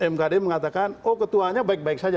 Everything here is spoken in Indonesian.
mkd mengatakan oh ketuanya baik baik saja